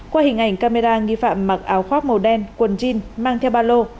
qua hình ảnh camera nghi phạm mặc áo khoác màu đen quần jean mang theo ba lô